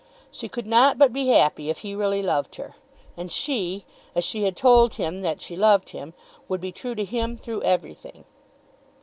She could not but be happy if he really loved her. And she, as she had told him that she loved him, would be true to him through everything!